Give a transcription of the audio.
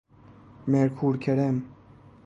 مرکورکرم